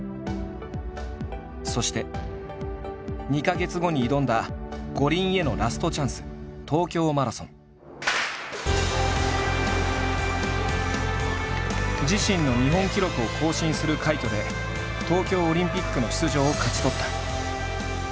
そして２か月後に挑んだ五輪へのラストチャンス自身の日本記録を更新する快挙で東京オリンピックの出場を勝ち取った。